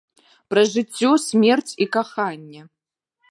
Пра жыццё, смерць і каханне.